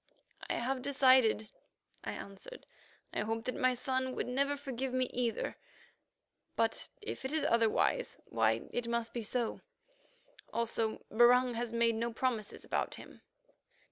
"I have decided," I answered. "I hope that my son would never forgive me either; but if it is otherwise, why, so it must be. Also Barung has made no promises about him."